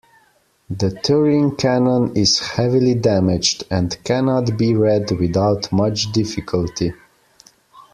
The Turin Canon is heavily damaged, and cannot be read without much difficulty.